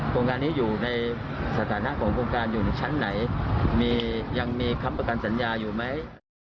โครงการนี้อยู่ในสถานะของโครงการอยู่ในชั้นไหนยังมีค้ำประกันสัญญาอยู่ไหม